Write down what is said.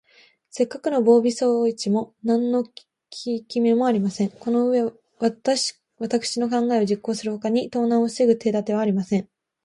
せっかくの防備装置も、なんのききめもありません。このうえは、わたくしの考えを実行するほかに、盗難をふせぐ手だてはありません。